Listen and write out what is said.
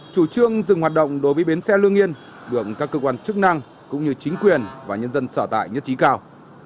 chủ trương dừng hoạt động đối với bến xe lương yên được các cơ quan chức năng cũng như chính quyền và nhân dân sở tại nhất trí cao